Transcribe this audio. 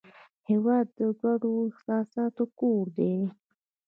هېواد د ګډو احساساتو کور دی.